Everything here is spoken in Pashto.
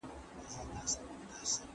زه پرون کښېناستل وکړې؟